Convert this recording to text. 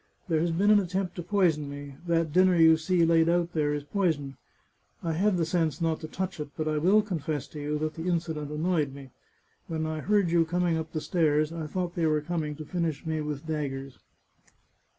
" There has been an attempt to poison me ; that dinner you see laid out there is poisoned. I had the sense not to touch it, but I will confess to you that the incident annoyed me. When I heard you coming up the stairs, I thought they were coming to finish me with daggers.